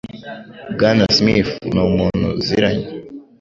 Bwana Smith ni umuntu uziranye.